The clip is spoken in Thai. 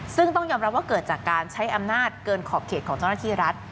ซึ่งต้องยอมรับว่าเกิดจากการใช้อำนาจเกินขอบเขตของเจ้าหน้าที่รัฐ